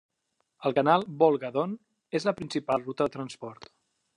El Canal Volga-Don és la principal ruta de transport.